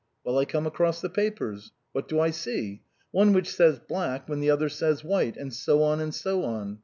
" Well, I come across the papers. What do I see? One which says black when the other says white, and so on and so on.